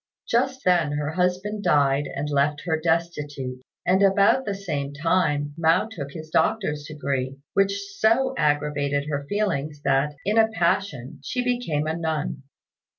Just then her husband died and left her destitute; and about the same time Mao took his doctor's degree, which so aggravated her feelings that, in a passion, she became a nun.